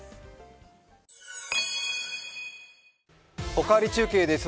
「おかわり中継」です。